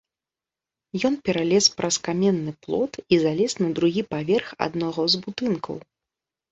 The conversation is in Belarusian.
Ён пералез праз каменны плот і залез на другі паверх аднаго з будынкаў.